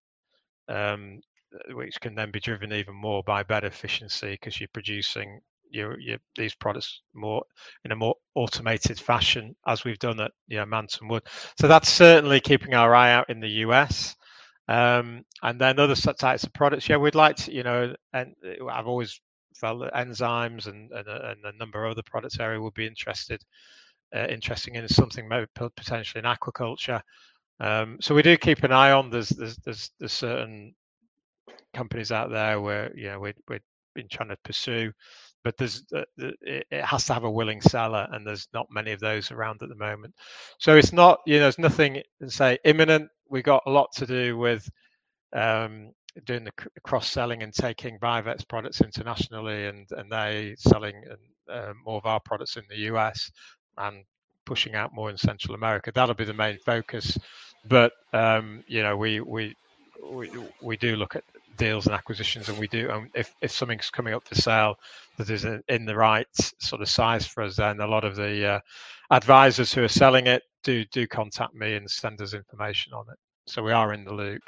which can then be driven even more by better efficiency 'cause you're producing your these products more in a more automated fashion as we've done at, you know, Manton Wood. That's certainly keeping our eye out in the U.S. Other types of products, yeah, we'd like to, you know, and I've always felt that enzymes and a number of other product areas we'd be interested in is something maybe potentially in aquaculture. We do keep an eye on. There are certain companies out there where, you know, we've been trying to pursue, but it has to have a willing seller, and there's not many of those around at the moment. It's not, you know, there's nothing, say, imminent. We've got a lot to do with doing the cross-selling and taking Bio-Vet's products internationally and selling more of our products in the U.S. and pushing out more in Central America. That'll be the main focus. You know, we do look at deals and acquisitions, and we do. If something's coming up for sale that is in the right sort of size for us, then a lot of the advisors who are selling it do contact me and send us information on it. So we are in the loop.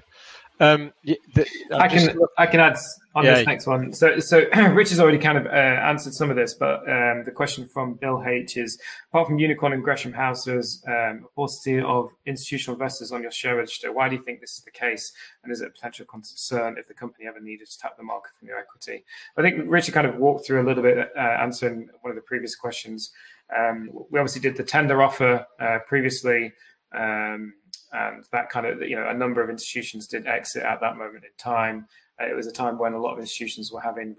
I can add on this next one. Yeah, yeah. Richard's already kind of answered some of this, but the question from Bill H. is, apart from Unicorn and Gresham House's paucity of institutional investors on your share register, why do you think this is the case, and is it a potential concern if the company ever needed to tap the market for new equity? I think Richard kind of walked through a little bit answering one of the previous questions. We obviously did the tender offer previously. That kind of, you know, a number of institutions did exit at that moment in time. It was a time when a lot of institutions were having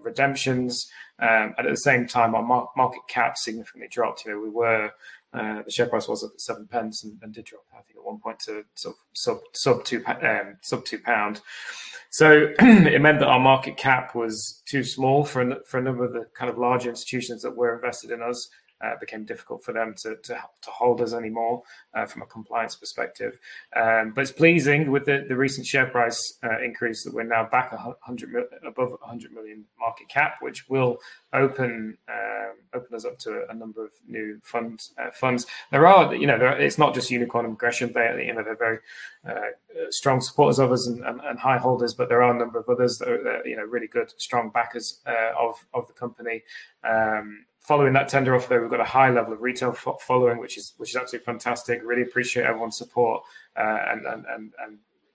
redemptions. At the same time, our market cap significantly dropped. You know, the share price was at 0.07 and did drop, I think, at one point to sort of sub 0.02 pound. It meant that our market cap was too small for a number of the kind of larger institutions that were invested in us. It became difficult for them to hold us anymore from a compliance perspective. But it's pleasing with the recent share price increase that we're now back above 100 million market cap, which will open us up to a number of new funds. There are, you know, it's not just Unicorn and Gresham, but you know, they're very strong supporters of us and high holders. There are a number of others that are, you know, really good, strong backers of the company. Following that tender offer, we've got a high level of retail following, which is absolutely fantastic. Really appreciate everyone's support.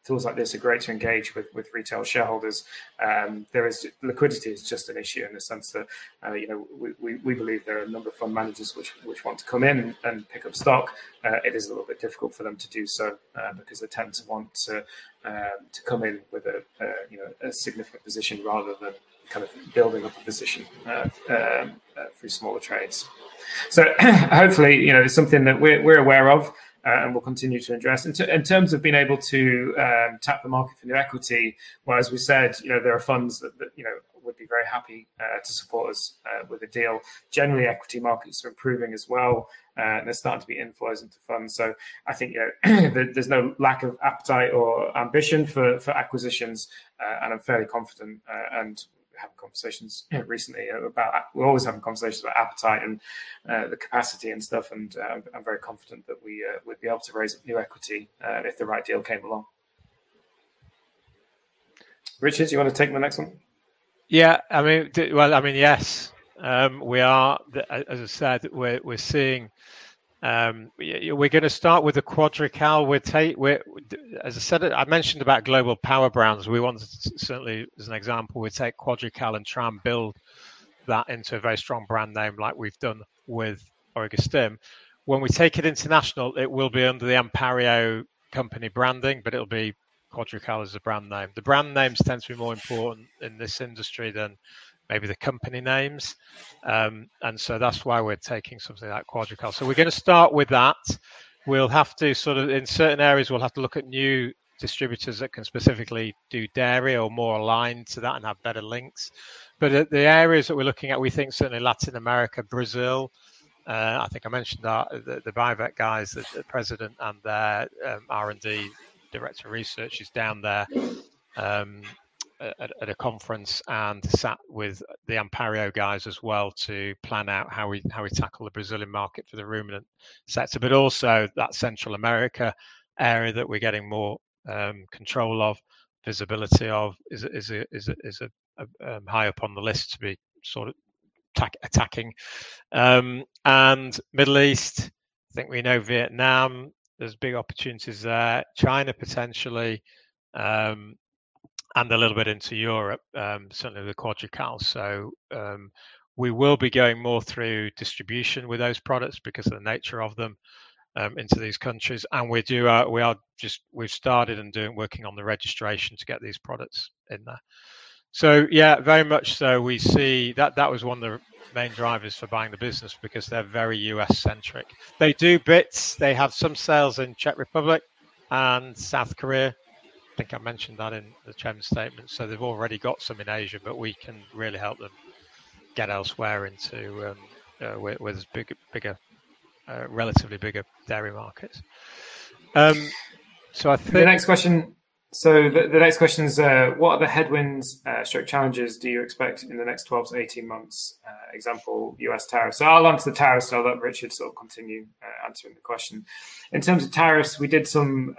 Tools like this are great to engage with retail shareholders. Liquidity is just an issue in the sense that, you know, we believe there are a number of fund managers which want to come in and pick up stock. It is a little bit difficult for them to do so because they tend to want to come in with a, you know, a significant position rather than kind of building up a position through smaller trades. Hopefully, you know, it's something that we're aware of, and we'll continue to address. In terms of being able to tap the market for new equity, well, as we said, you know, there are funds that you know, would be very happy to support us with a deal. Generally, equity markets are improving as well. They're starting to be inflows into funds. I think, you know, there's no lack of appetite or ambition for acquisitions. I'm fairly confident and have conversations recently about that. We're always having conversations about appetite and the capacity and stuff and I'm very confident that we'd be able to raise new equity if the right deal came along. Richard, do you wanna take the next one? Yeah, I mean, yes. We are, as I said, we're gonna start with the QuadriCal. We'll take, as I said, I mentioned about global power brands. We want to certainly, as an example, we take QuadriCal and try and build that into a very strong brand name like we've done with Orego-Stim. When we take it international, it will be under the Anpario company branding, but it'll be QuadriCal as the brand name. The brand names tend to be more important in this industry than maybe the company names. That's why we're taking something like QuadriCal. We're gonna start with that. We'll have to sort of, in certain areas, we'll have to look at new distributors that can specifically do dairy or more aligned to that and have better links. The areas that we're looking at, we think certainly Latin America, Brazil. I think I mentioned that the Bio-Vet guys, the president and their R&D director of research is down there. At a conference and sat with the Anpario guys as well to plan out how we tackle the Brazilian market for the ruminant sector, but also that Central America area that we're getting more control of, visibility of is high up on the list to be sort of attacking. Middle East, I think we know Vietnam, there's big opportunities there. China, potentially, and a little bit into Europe, certainly the QuadriCal. We will be going more through distribution with those products because of the nature of them into these countries, and we've started working on the registration to get these products in there. Yeah, very much so we see that. That was one of the main drivers for buying the business because they're very U.S.-centric. They do bits. They have some sales in Czech Republic and South Korea. I think I mentioned that in the chairman's statement. They've already got some in Asia, but we can really help them get elsewhere into where there's bigger relatively bigger dairy markets. I think- The next question is what are the headwinds, sorry, challenges do you expect in the next 12-18 months? For example, U.S. tariffs. I'll answer the tariffs. I'll let Richard sort of continue answering the question. In terms of tariffs, we did some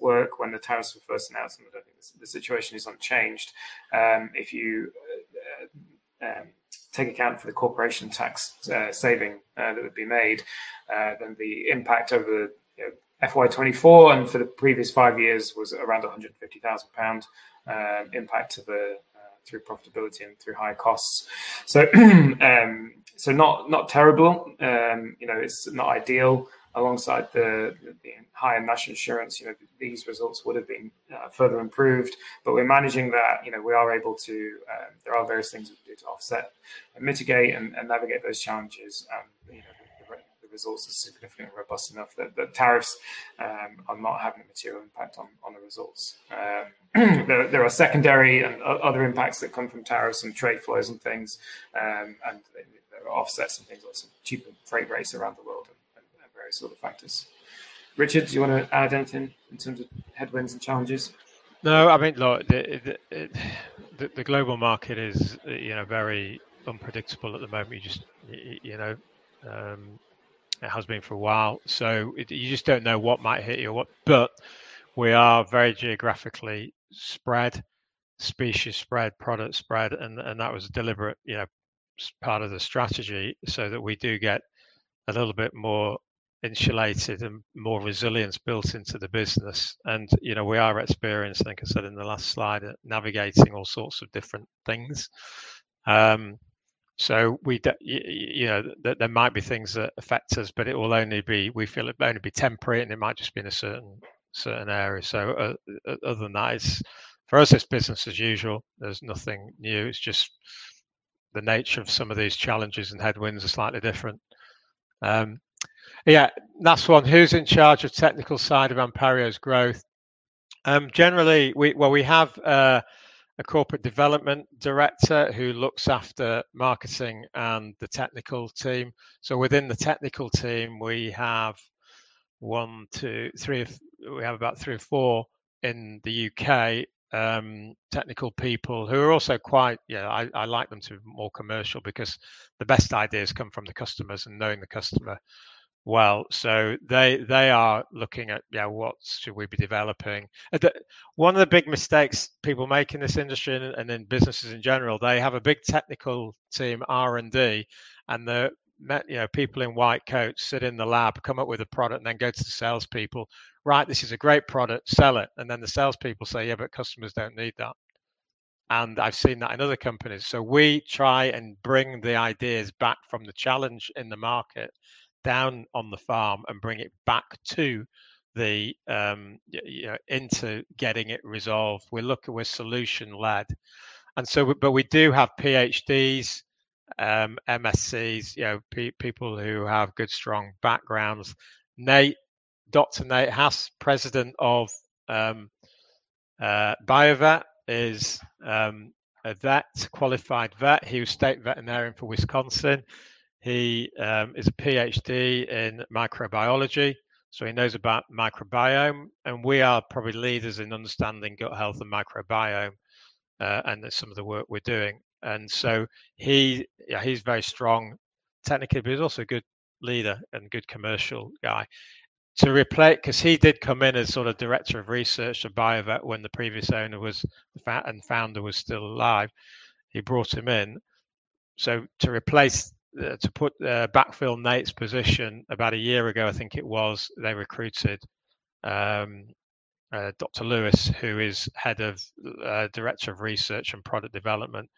work when the tariffs were first announced, and I don't think the situation has changed. If you take into account the corporation tax saving that would be made, then the impact over, you know, FY 2024 and for the previous five years was around 150,000 pound impact through profitability and through higher costs. Not terrible. You know, it's not ideal. Alongside the higher national insurance, you know, these results would have been further improved. We're managing that. You know, we are able to, there are various things we can do to offset and mitigate and navigate those challenges. You know, the results are significantly robust enough that the tariffs are not having a material impact on the results. There are secondary and other impacts that come from tariffs and trade flows and things. There are offsets and things like some cheaper freight rates around the world and various other factors. Richard, do you want to add anything in terms of headwinds and challenges? No, I mean, look, the global market is, you know, very unpredictable at the moment. You just, you know, it has been for a while, so you just don't know what might hit you or what. We are very geographically spread, species spread, product spread, and that was a deliberate, you know, part of the strategy, so that we do get a little bit more insulated and more resilience built into the business. We are experienced, like I said in the last slide, at navigating all sorts of different things. We, you know, there might be things that affect us, but it will only be, we feel it may only be temporary, and it might just be in a certain area. Other than that, it's, for us, business as usual. There's nothing new. It's just the nature of some of these challenges and headwinds are slightly different. Last one. Who's in charge of technical side of Anpario's growth? Generally, we have a corporate development director who looks after marketing and the technical team. Within the technical team, we have about three or four in the U.K. technical people who are also quite. I like them to be more commercial because the best ideas come from the customers and knowing the customer well. They are looking at what we should be developing. One of the big mistakes people make in this industry and in businesses in general, they have a big technical team, R&D, and you know, people in white coats sit in the lab, come up with a product, and then go to the salespeople. "Right, this is a great product. Sell it." And then the salespeople say, "Yeah, but customers don't need that." And I've seen that in other companies. We try and bring the ideas back from the challenge in the market, down on the farm, and bring it back to the, you know, into getting it resolved. We're solution-led. We do have PhDs, MSCs, you know, people who have good, strong backgrounds. Dr. Nate Haas, President of Bio-Vet, is a vet, qualified vet. He was State Veterinarian for Wisconsin. He is a PhD in microbiology, so he knows about microbiome, and we are probably leaders in understanding gut health and microbiome, and some of the work we're doing. Yeah, he is very strong technically, but he is also a good leader and good commercial guy. 'Cause he did come in as sort of director of research to Bio-Vet when the previous owner was, and founder was still alive. He brought him in. To backfill Nate's position about a year ago, I think it was, they recruited Wendy Lewis, who is head of director of research and product development.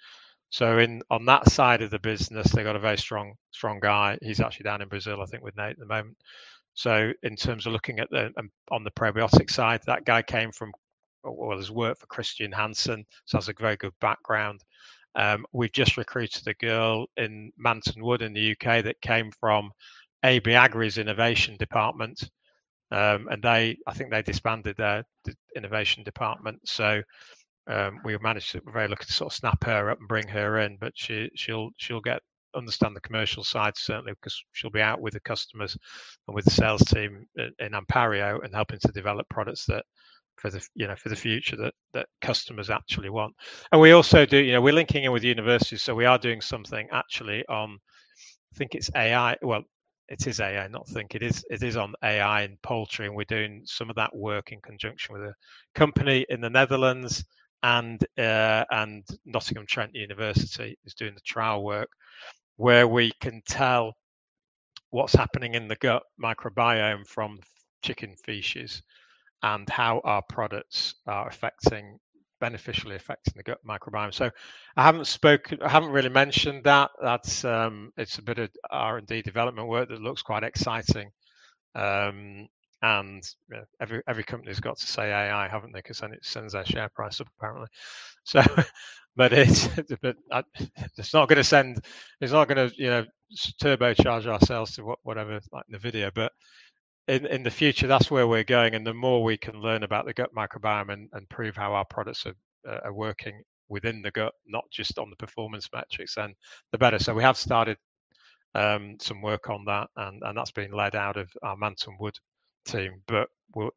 In, on that side of the business, they got a very strong guy. He is actually down in Brazil, I think, with Nate at the moment. In terms of looking at the probiotic side, that guy has worked for Chr. Hansen, so has a very good background. We've just recruited a girl in Manton Wood in the U.K. that came from AB Agri's innovation department. They disbanded their innovation department. We managed to. We're very lucky to sort of snap her up and bring her in, but she'll understand the commercial side, certainly, 'cause she'll be out with the customers and with the sales team in Anpario and helping to develop products that, you know, for the future that customers actually want. We also do, you know, we're linking in with universities, so we are doing something actually on, I think it's AI. Well, it is AI, not think it is. It is on AI and poultry, and we're doing some of that work in conjunction with a company in the Netherlands and Nottingham Trent University is doing the trial work where we can tell what's happening in the gut microbiome from chicken feces and how our products are affecting, beneficially affecting the gut microbiome. I haven't really mentioned that. That's, it's a bit of R&D development work that looks quite exciting. Every company's got to say AI, haven't they? 'Cause then it sends their share price up, apparently. But it's not gonna send. It's not gonna, you know, turbocharge our sales to what-whatever, like Nvidia. But in the future, that's where we're going. The more we can learn about the gut microbiome and prove how our products are working within the gut, not just on the performance metrics, then the better. We have started some work on that, and that's been led out of our Manton Wood team.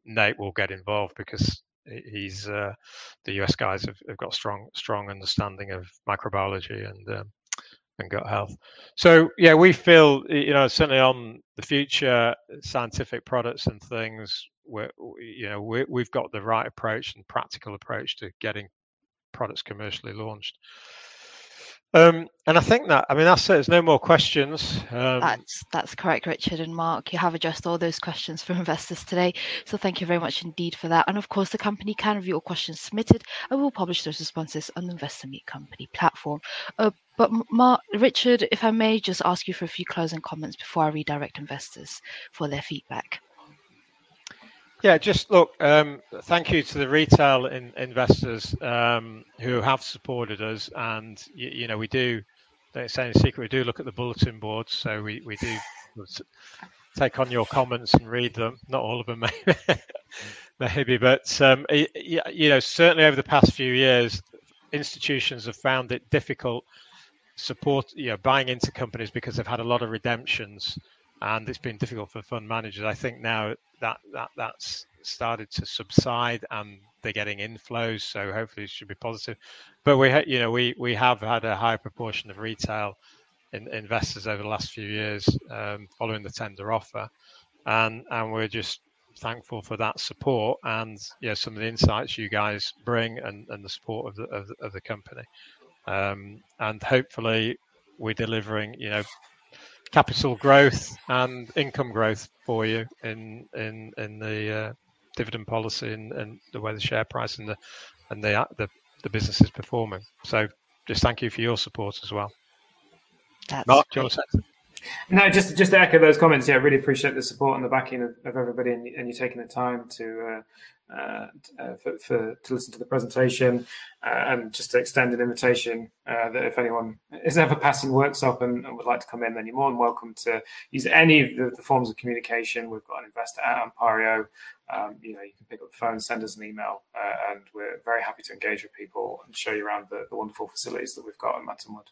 Nate will get involved because he's the U.S. guys have got a strong understanding of microbiology and gut health. Yeah, we feel, you know, certainly on the future scientific products and things, we're, you know, we've got the right approach and practical approach to getting products commercially launched. I think that, I mean, that's it. There's no more questions. That's correct, Richard and Marc. You have addressed all those questions from investors today, so thank you very much indeed for that. Of course, the company can review all questions submitted and will publish those responses on the Investor Meet Company platform. Richard, if I may just ask you for a few closing comments before I redirect investors for their feedback. Yeah, just look, thank you to the retail investors who have supported us. You know, we don't need to say it's no secret, we do look at the bulletin board, so we do take on your comments and read them. Not all of them maybe, but you know, certainly over the past few years, institutions have found it difficult to support, you know, buying into companies because they've had a lot of redemptions, and it's been difficult for fund managers. I think now that that's started to subside, and they're getting inflows, so hopefully it should be positive. You know, we have had a high proportion of retail investors over the last few years, following the tender offer. We're just thankful for that support and, you know, some of the insights you guys bring and the support of the company. Hopefully we're delivering, you know, capital growth and income growth for you in the dividend policy and the way the share price and the business is performing. Just thank you for your support as well. That's- Marc, do you want to say something? No, just to echo those comments. Yeah, I really appreciate the support and the backing of everybody and you taking the time to listen to the presentation. Just to extend an invitation that if anyone is ever passing Worksop and would like to come in, then you're more than welcome to use any of the forms of communication. We've got investor relations at Anpario. You know, you can pick up the phone, send us an email, and we're very happy to engage with people and show you around the wonderful facilities that we've got at Manton Wood.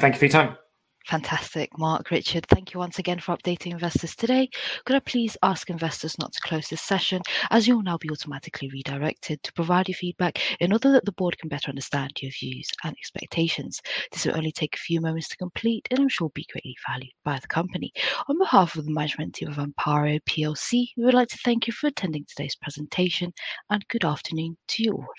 Thank you for your time. Fantastic. Marc, Richard, thank you once again for updating investors today. Could I please ask investors not to close this session, as you'll now be automatically redirected to provide your feedback in order that the board can better understand your views and expectations. This will only take a few moments to complete and I'm sure will be greatly valued by the company. On behalf of the management team of Anpario PLC, we would like to thank you for attending today's presentation, and good afternoon to you all.